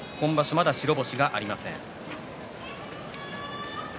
まだ白星がありません。